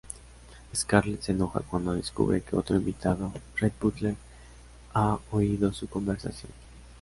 Scarlett se enoja cuando descubre que otro invitado, Rhett Butler, ha oído su conversación.